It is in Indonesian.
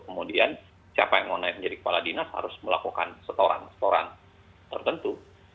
kemudian siapa yang mau naik menjadi kepala dinas harus melakukan setoran setoran tertentu